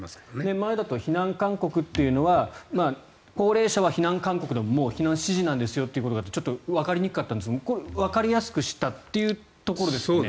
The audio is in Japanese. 前だと避難勧告というのは高齢者は避難勧告でももう避難指示ということだとちょっとわかりにくかったんですがこれはわかりやすくしたというところですね。